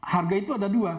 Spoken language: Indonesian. harga itu ada dua